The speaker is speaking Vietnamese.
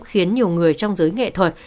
khiến nhiều người trong giới nghệ thuật